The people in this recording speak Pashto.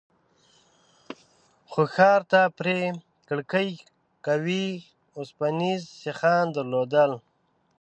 خو ښار ته پرې کړکۍ قوي اوسپنيز سيخان درلودل.